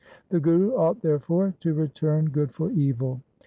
The Guru ought, therefore, to return good for evil.'